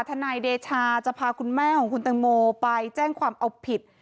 นายเดชาจะพาคุณแม่ของคุณตังโมไปแจ้งความเอาผิด